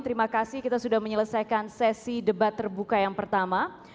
terima kasih kita sudah menyelesaikan sesi debat terbuka yang pertama